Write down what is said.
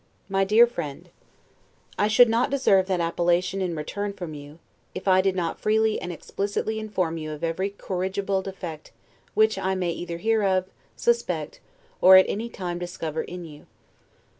MY DEAR FRIEND: I should not deserve that appellation in return from you, if I did not freely and explicitly inform you of every corrigible defect which I may either hear of, suspect, or at any time discover in you.